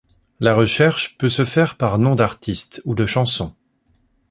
La recherche peut se faire par noms d'artiste ou de chanson.